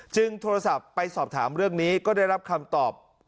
โทรศัพท์ไปสอบถามเรื่องนี้ก็ได้รับคำตอบ